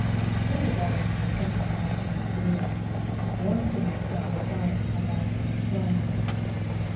Several barges were sunk by last night's gale, and one pinnace set on fire by last night's shelling.